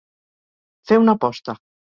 Fer una aposta.